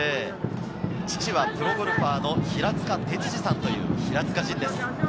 父はプロゴルファーの平塚哲二さんという平塚仁です。